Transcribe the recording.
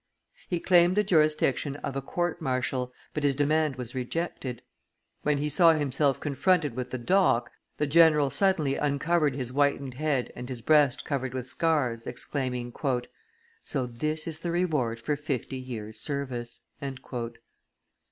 He claimed the jurisdiction of a court martial, but his demand was rejected; when he saw himself confronted with the dock, the general suddenly uncovered his whitened head and his breast covered with scars, exclaiming, "So this is the reward for fifty years' service!"